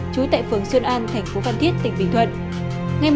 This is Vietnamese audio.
trú tại phường xuân an thành phố phan thiết tỉnh bình thuận